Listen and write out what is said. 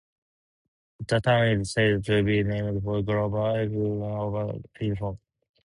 The town is said to be named for Governor Xenophon Overton Pindall.